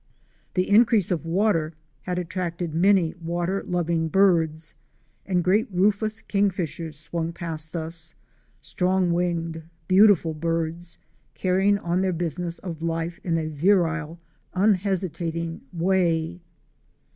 The increase of water had attracted many water loving birds, and great Rufous Kingfishers " swung past us, strong winged, beautiful birds, carrying on their business of life in a virile, unhesitating way.